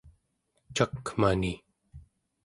cakmani